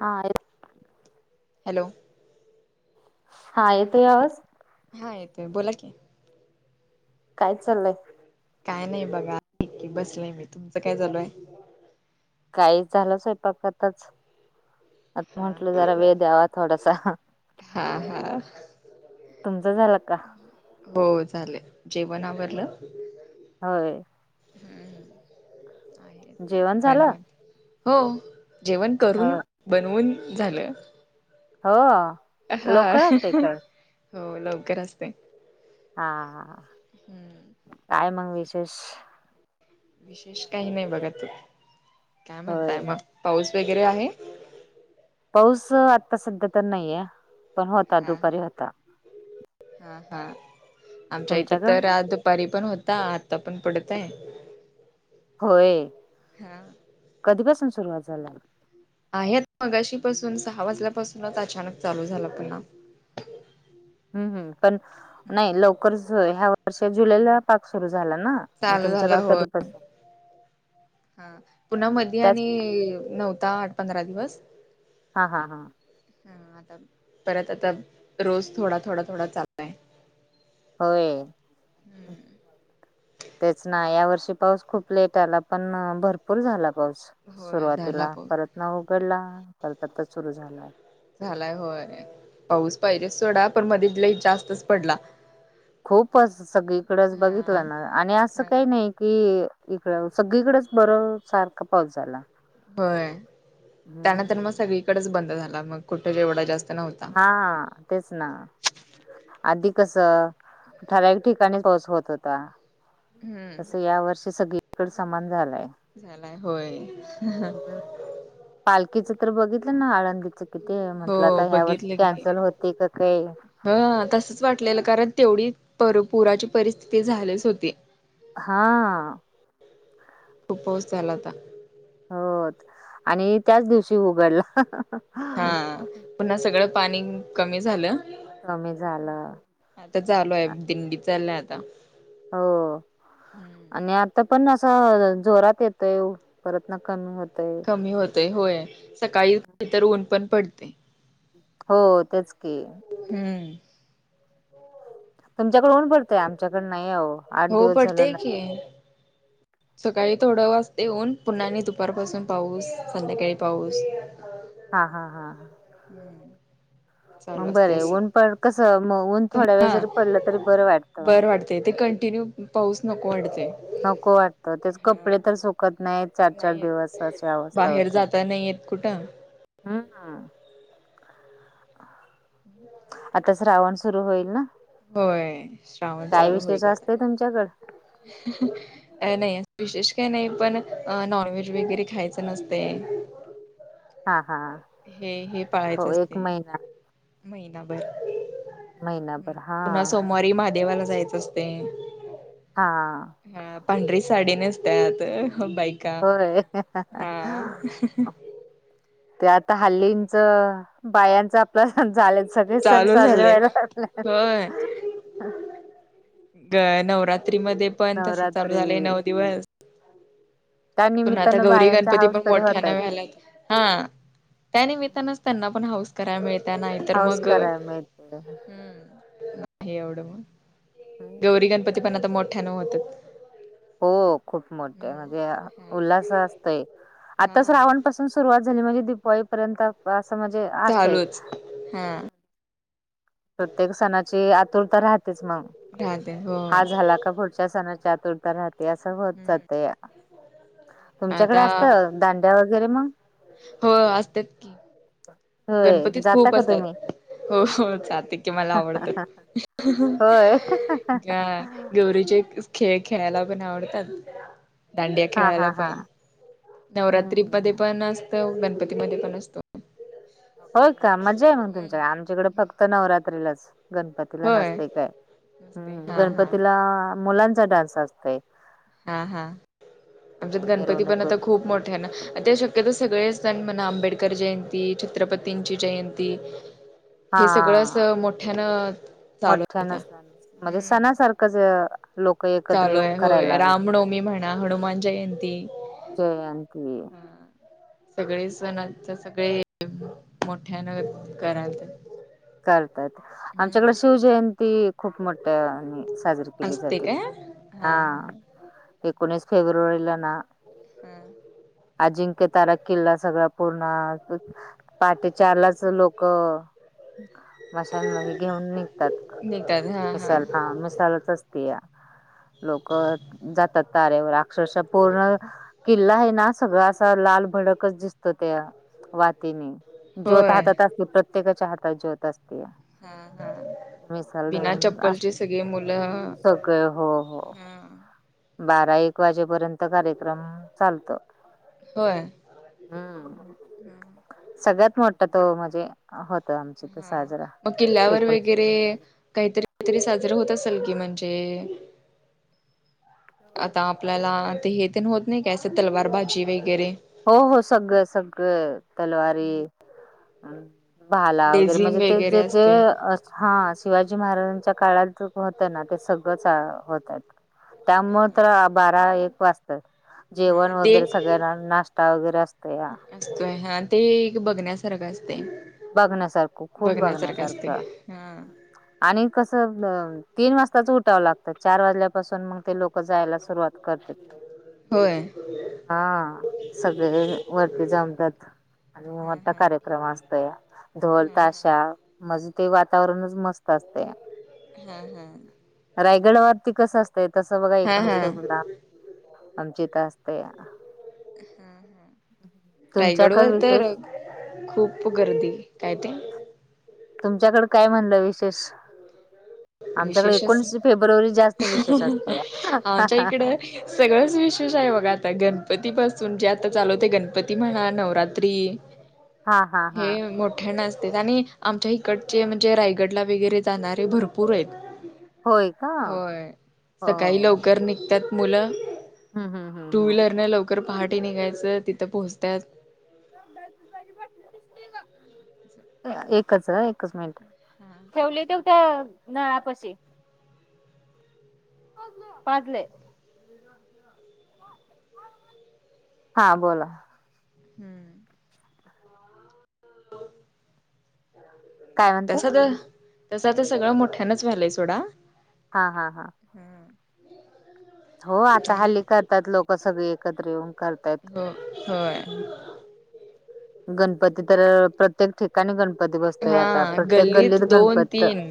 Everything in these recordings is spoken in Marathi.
हा हॅलो हा येतोय आवाज. हा येतोय बोला की काय चाललंय? काय नाही बघाकी बसलंय मी तुमचं काय चालू आहे. काही झालं स्वयंपाक आताच आता हा म्हटलं जरा वेळ हा द्यावा थोडासा हा हा तुमच झालं का? हो झाले जेवण आवरलं. होय. जेवण झालं [unintelligible] हो जेवण हो करून बनवून झालं. हो हा लोकर असते काय. हो लवकर असते. हा हम्म काय मग विशेष. विशेष काही नाही बघा तू काय म्हणताय होय मग पाऊस वगैरे आहे. पाऊस आत्ता सध्या तर नाहीये. पण होता हम्म दुपारी होता हम्म हा हा आमच्या इथं तुमच्याकड तर आ दुपारी पण होता आता पण पडतय. होय हा कधीपासून सुरुवात झाला. आहेत मगाशी पाासून सहा वाजल्यापासूनच अचानक चालू झाला पुन्हा. हम्म हम्म पण नाही लवकरच ह्या वर्षी जुलैला पाक सुरू झाला ना. आणि चालू झाला तुमच्याकडे होय कधी तस हा पुन्हा मधी त्याच आणि नव्हता आठ पंधरा दिवस हा हा हा. हम्म आता परत आता रोज थोडा थोडा थोडा चालु होय. तेच ना यावर्षी पाऊस खूप लेट आला पण भरपूर झाला पाऊस. होय झाला सुरुवातीला पाऊस परत न उघडला परत आता सुरु झाला. झालाय होय पाऊस पाहिजेच सोडा पण मध्ये लईच जास्तच पडला. खूपच सगळीकडेच हा हा. बघितलं ना आणि असं काही नाही कि इकड सगळीकडेच बरं सारखा पाऊस झाला. होय त्यानंतर मग हम्म सगळीकडेच बंद झाला मग कुठे एवढा जास्त नव्हता. हा तेच ना. आधी कस ठराविक ठिकाणी पाऊस होत होता. हम्म तसं या वर्षी सगळीकड समान झालाय. झालाय होय. हम्म पालखीच तर बघितलं ना आळंदीच. किती म्हंटलं हो आता ह्या वर्षी कॅन्सल होते क काय? ह तसच वाटलेलं कारण तेवढी पुराची परिस्थिती झालीच होती. हा. खूप पाऊस झाला होता. हो आणि त्याच दिवशी उघडला. हा पुन्हा सगळं पाणी कमी झालं. कमी झालं. आता चालू ये दिंडी चालू ये आता हो. आणि आता पण असं जोरात यतोय परत ना कमी होतय. कमी होते होय सकाळी तर ऊन पण पडते. हो तेच की हम्म. तुमच्याकड ऊन पडतय आमच्याकड नाही आहो आठ हो दिवस झालं पडतेय नाही. की. सकाळी थोडं वाजतय ऊन पुन्हा नी दुपारपासून पाऊस संध्याकाळी पाऊस हा हा हा ह. [inaudible] चालू बरं असतेय आहे. अस ऊन पण कसं मग ऊन थोड्या वेळ हा जरी पडलं तरी बरं वाटतं. बर वाटते ते कंटिन्यू पाऊस नको वाढतेय. नको वाटत तेच कपडे तर सुकत नाहीत. चार चार नाहीय दिवस अशी अवस्था बाहेर होते. जाता नाही येत कुठं. हम्म. [unintelligible] आता श्रावण सुरु होईल न. होय श्रावण चालू होईल आता. असतय तुमच्याकड? काही नाही अस विशेष काही नाही पण नॉनव्हेज वगैरे खायचं नसत ये. हा हा. हे हे हो पाळायचं असते महिना महिनाभर. महिनाभर पुन्हा हां, सोमवारी महादेवाला जायचं असते. हा. हा पांढरी साडी नेत्यात ह बाई होय. ते आता हल्लींच बायांच आपला झालच. सगळे सण चालू साजरे झालंय व्हायला लागले. होय. ग नवरात्री मध्ये पण तस चालू नवरात्री झालंय नऊ दिवस. त्या पण आता निमित्तानं गौरी बायांच्या गणपती हाऊस पण तरी मोठ्या न होतायेत. मिलात हा त्यानिमित्तानंच त्यांना पण हऊस कराया मिळत्यात नाही तर हाऊस मग करायला मिळते. हम्म नाही एवढं मग. हम्म. होत. हो खूप मोठे म्हणजे हा उल्हस असतय. आता हा श्रावण पासून सुरुवात झाली म्हणजे दिपावळी असं म्हणजे असत्य. चालूच हा. प्रत्येक सणाची आतुरता राहतेच मग राहते हो हा हम्म झालात. का पुढच्या सणाची आतुरता राहते, असं होत जातया. तुमच्याकडे आता असत दांड्या वगैरे मग? हो हो असते. होय गणपतीत जाता खूप का तुम्ही? असतात. हो हो. जाते की मला आवडतं. होय आं गौरीचे खेळ खेळायला पण आवडतात. दांडिया हा हा खेळायला हा पण. नवरात्री मध्ये हम्म पण असतं गणपती मध्ये पण असतो. होय का? मजा आहे मग हम्म. तुमच्याकडे. आमच्याकडे फक्त नवरात्रीलाच, गणप पतीला होय नसतय काय. नसते हं. हा हा गणपतीला मुलांचा डान्स असतय. हा हा. आमच्यात गणपती पण मिरवणूक आता वगैरे खूप मोठे आहे ना. अन त्याशि ते तर सगळे सण म्हणा आंबेडकर जयंती, छत्रपतींची जयंती, हा हे सगळं असं मोठ्यानं चालत चालत म्हणजे सणासारखंच अं लोक एक चालू आहे. होय, रामनवमी म्हणा, हनुमान जयंती, जयंती, हा. सगळे सण आता सगळे मोठ्यान करायल तर. करतात. आमच्याकडे शिवजयंती खूप मोठ्या हेनी साजरी केली असते जाते. काय हा एकोणीस फेब्रुवारीला ना हं. अजिंक्य तारा किल्ला सगळा पूर्ण आ पाहाटे चारलाच लोक मशालग घेऊन निघतात. निघतात हा मिसाला हा मिसालाच असते या. लोक जातात तारेवर. अक्षरश पूर्ण किल्ला आहे ना सगळां असा लाल भडकच दिसतो. त्या वातीने. ज्योत होय. हातात असते. प्रत्येकाच्या हातात ज्योत असतेया. हा हा. बिना चप्पलचे सगळे मुलं क हो हो. हा. बारा एक वाजेपर्यंत कार्यक्रम चालतो. होय? हं. सगळ्यात मोठा तो म्हणजे होत आमच्या इथं हा. साजरा. मग किल्ल्यावर एकोणीस वगैरे फेब्रुवारी. काहीतरी तरी साजरं होत असेल की. म्हणजे आता आपल्याला ते हे तेन होत नाही काय असं तलवारबाजी वगैरे? हो हो सगळं सगळं. तलवारी अं भाला वगैरे. लेझिम म्हणजे ते वगैरे जे जे असते अस हा शिवाजी महाराजांच्या काळात होतं ना, ते सगळंच होतात. त्यामुळ तर बारा एक वाजतात. जेवण हा ते वगैरे सगळ्यांना. नाश्ता वगैरे असत या. असतोय. हा ते एक बघण्यासारखं असते. बघण्यासारखं खूप असते. बघण्यासारखं. हा. आणि कसं तीन वाजताच उठावं लागतं. चार वाजल्यापासून मग ते लोक जायला सुरुवात करतात. होय? हा. सगळे कसे वरती जमतात. आणि म मोठा कार्यक्रम असतोया. ढोल, हा ताशा. म्हणजे ते वातावरणच मस्त असतया. हा हा हा. रायगडावरती कस असतय तसं बघा हा एकोणीस हा फेब्रुवारीला. आमच्या हित असतया. तुमच्याकड रायगडवर तर विशेष? खूप गर्दी काय ते. तुमच्याकडं काय म्हणलं विशेष? आमच्याकडे विशेष असे एकोणीस फेब्रुवारी जास्त विशेष असतिया आमच्या इकडं सगळंच विशेष आहे बघा आता गणपती पासून जे आता चालू होते गणपती म्हणा नवरात्री हा हा हा हा हे मोठ्यानं असते आणि आमच्या इकडचे म्हणजे रायगडला वगैरे जाणारे भरपूर आहेत होय का होय हो सकाळी लव ल निघत्यात मुलं हम्म हम्म हम्म टू हम्म व्हीलरनं लव कर पहाटे निघायचं तिथं पोहचत्यात एकचं एकच मिनिट ठेवले तं त्या नळापाशी पाजलंय हा बोला हम्म हो काय म्हणते तसं तर तसं आता सगळं मोठ्यानंच व्हालंय सोडा हा हा हा हो आता हल्ली करतात लोक सगळी एकत्र येऊन करतायत हो होय. गणपती तर प्रत्येक ठिका काणी गणपती बसतोय हा आता प्रत्येक गल्लीत दोन गणपत तीन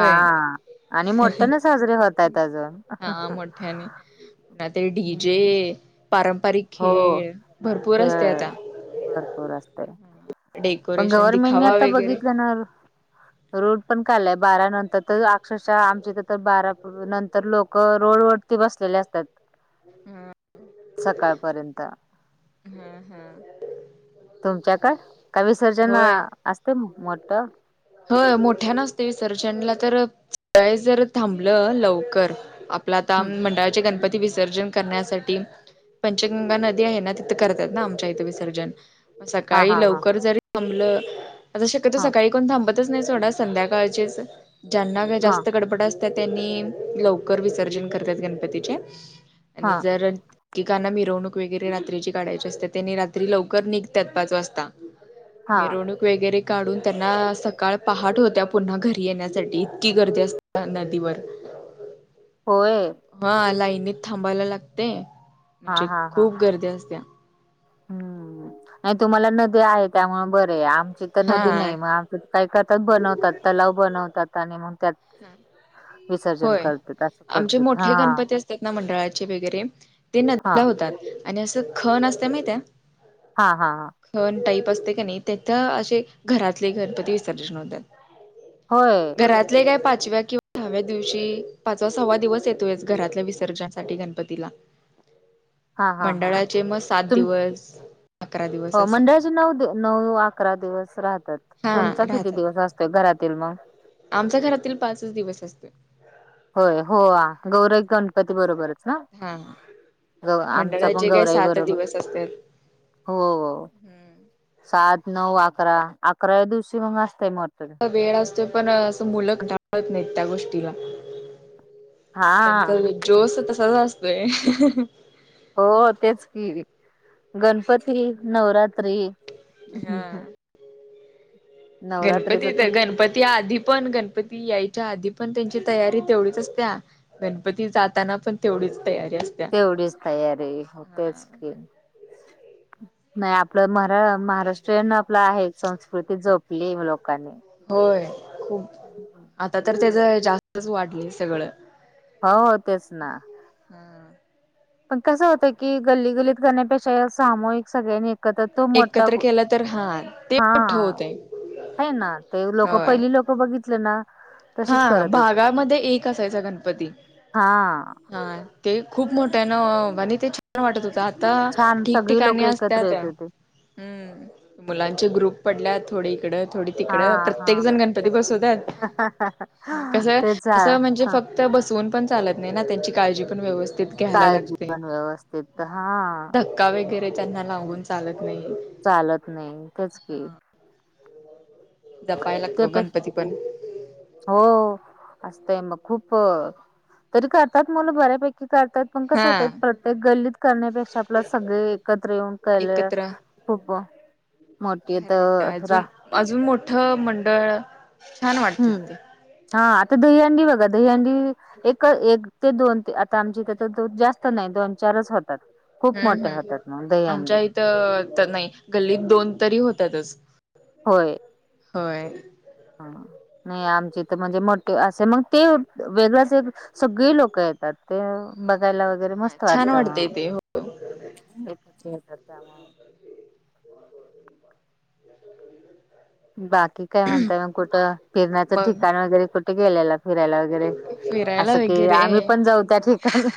हा आणि मोठ्यानं साजरी होत आहेत अजून नाय तर डी जे हम्म पारंपरिक हो खेळ भरपूर असतंय खेळ आता भरपूर असतय पण डेकोरेशन गव्हर्मेंटने दिखावा आता वगैरे बघितलं ना रुल पण काढलाय बारा नंतर तर अक्षरशः आमच्या इथं तर बारा नंतर लोक रोड वरती बसलेले असत्यात हम्म सकाळपर्यंत हम्म हम्म तुमच्याकंड का विसर्जन होय असतंय मोठं होय मोठ्यानं असतंय विसर्जनला तर हे जर थांबलं लवकर आपलं आता हम्म मंडळाचे गणपती विसर्जन करण्यासाठी पंचगंगा नदी आहे ना करतात ना आमच्या इथं विसर्जन हा सकाळी हा हा लवकर जर थांबलं आता शक्यतो हा सकाळी कोण थांबतच नाही सोडा संध्याकाळचेच ज्यांना का हा जास्त गडबड अस तर त्यांनी लवकर विसर्जन करत्यात गणपतीचे हा आणि जर एकेकांना मिरवणूक वगैरे रात्रीची काढायची असत्या त्याने रात्री लवकर निघत्यात पाच वाजता हा मिरवणूक. वगैरे काढून त्यांना सकाळ पहाट होत्या पुन्हा घरी येण्यासाठी इतकी गर्दी अस त्या नदीवर होय हा लाईनीत थांबायला लागतंय हा म्हणजे हा हा खूप गर्दी असत्या हम्म नाही तुम्हाला नदी आहे त्यामुळे बरे आहे आमची तर नदी हा नाही मग आम काय करतात बनवतात तलाव बनवतात आणि मग त्यात विसर्जन होय करतात असं आमचे करतात हा मोठे गणपती असतात ना मंडळाचे वगैरे ते हा नदीला होतात आणि असं खण असत्या माहित्या. हा हा हा. खण टाईप असते का नाही तिथं अशे घरातले गणपती विसर्जन होतात होय. ले काय पाचव्या किं सहाव्या दिवशी पाचवा सव्वा दिवस येतोय घरातल्या विसर्जनासाठी गणपतीला हा हा हा मंडळाचे मग सात तुम दिवस अकरा दिवस हो असं. मंडळाचे नऊ नऊ अकरा दिवस राहतात तुमचा हा किती दिवस असतो घरातील मग आमचा घरातील पाच दिवस असतो. होय हो गौरई गणपती बरोबरच. हा ग आमचा पण मंडळाचे काही गौरा आई आहे सात बरोबर. दिवस असतात हो हम्म सात नऊ अकरा अकरा या दिवशी मग असतय मरत. वेळ असतो पण अस मुलं ढाळत नाहीत त्या गोष्टीला हा त्यांचा जोस तस असतोय. हो तेच की गणपती नवरात्री. हा गणपती तर गणपती आधी पण गण गणपती यायच्या आधी पण त्यांची तयारी तेवढीच असत्या गणपती जाताना पण तेवढीच तयारी असते. तेवढीच तयारी हो तेचम नाही आपलं म महाराष्ट्रीयन आपला आहे संस्कृती जपली लोकांनी होय खूप आता तर हम्म त्याच जास्तच वाढली सगळं. हो हो तेच ना पण कसं होतं की गल्ली गल्लीत करण्यापेक्षा सामूहिक सगळ्या नेत क तर तो मोठा एकत्र केलं तर हा ते मोठं हा. होतय हे ना ते लोक होय पहिली लोकं बघितलं ना. हा तसेच करत होते की भागामध्ये एक असायचा गणपती हा हा ते खूप मोठ्या ना म्ह ते छान वाटत होत. ता छान सगळी लोक ठिकठिकाणी असत्या एकत्र येत त्या होते हम् मुलांचे ग्रुप पडल्यात थोडी इकडं थोडी हा तिकडं प्रत्येक जण गणपती बसवतात. हा हा ह कस तेच असं म्हणजे फक्त बसवून पण चालत नाही ना त्यांची काळजी पण व्यवस्थित घ्यायला काय लागते जीवन व्यवस्थित हा. का वगैरे त्यांना लावून चालत नाही. चालत नाही तेच की हा जपायला लागतो त्यापेक्षा गणपती पण हो असतय मग खूप तरी करतात मुलं बऱ्यापैकी करतात. पण कसं हा होत प्रत्येक गल्लीत करण्यापेक्षा आपलं सगळे एकत्र येऊन कले. होबा भर भटत अजून अजून मोठं मंडळ छान वाटत हम्म ते हा आता दहीहंडी बघा दहीहंडी. एक एक ते दोन ते आता आमची त्या द जास्त नाही दोन चारच होतात. खूप मोठ्या होतात मग द अंडी त तर नाइ गल्लीत दोन तरी होतातच. होय होय हं. हो नाही आमची तर म्हणजे मोठे असे मग ते वेगळच सगळी लोक येतात ते बघायला वगैरे मस्त छान वाटत वाटतय ते हो मग. बाकी काय म्हणताय मग कुठं फिरण्याचं मग ठिकाण वगैरे कुठे गेलेला फिरायला वगैर वगैरे फिरायला असं की आम्ही वगैरे पण जाऊ त्या ठिकाणी